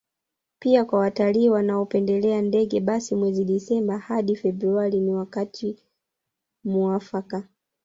Pia kwa watalii wanaopendelea ndege basi mwezi Disemba hadi Februari ni wakati muafaka